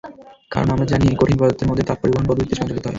কারণ আমরা জানি, কঠিন পদার্থের মধ্যে তাপ পরিবহন পদ্ধতিতে সঞ্চালিত হয়।